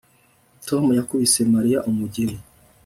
Tom yakubise Mariya umugeri